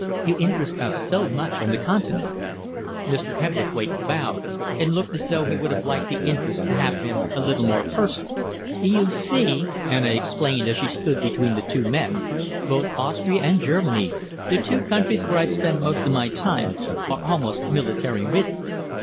You interest us so much on the Continent." Mr. Hebblethwaite bowed and looked as though he would have liked the interest to have been a little more personal. "You see," Anna explained, as she stood between the two men, "both Austria and Germany, the two countries where I spend most of my time, are almost military ridden.